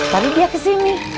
tapi dia ke sini